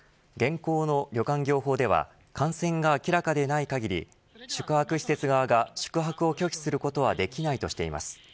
現行の旅館業法では感染が明らかでない限り宿泊施設側が宿泊を拒否することできないとしています。